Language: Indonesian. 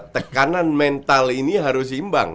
tekanan mental ini harus imbang